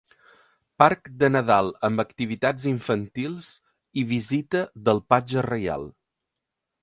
Parc de Nadal amb activitats infantils i visita del Patge Reial.